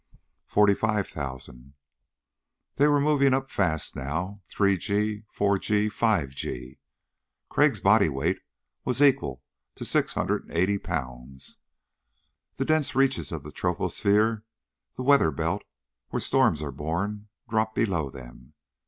"Forty five thousand...." They were moving up fast now three g, four g, five g. Crag's body weight was equal to 680 pounds. The dense reaches of the troposphere the weather belt where storms are born dropped below them.